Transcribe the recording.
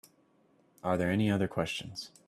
Are there any other questions?